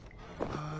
ああ